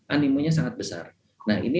animonya sangat besar nah ini